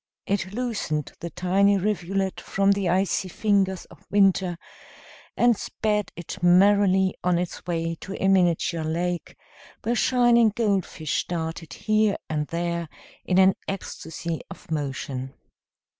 It loosened the tiny rivulet from the icy fingers of winter, and sped it merrily on its way to a miniature lake, where shining goldfish darted here and there in an ecstasy of motion.